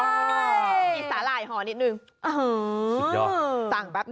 มีสาลายหอนิดนึง